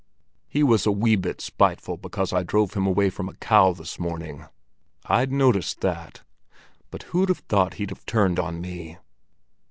He was a wee bit spiteful because I drove him away from a cow this morning; I'd noticed that. But who'd have thought he'd have turned on me?